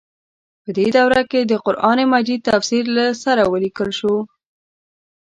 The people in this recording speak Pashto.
په دې دوره کې د قران مجید تفسیر له سره ولیکل شو.